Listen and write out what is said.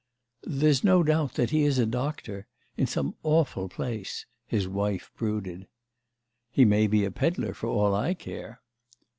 "There's no doubt that he is a doctor—in some awful place," his wife brooded. "He may be a pedlar for all I care."